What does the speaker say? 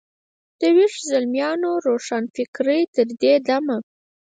د ویښ زلمیانو روښانفکرۍ تر دې دمه.